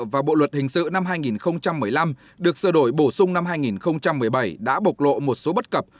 và bộ luật hình sự năm hai nghìn một mươi năm được sửa đổi bổ sung năm hai nghìn một mươi bảy đã bộc lộ một số bất cập